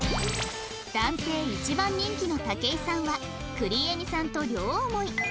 男性一番人気の武井さんはくりえみさんと両思い